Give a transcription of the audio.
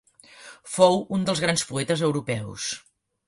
Fou un dels grans poetes europeus.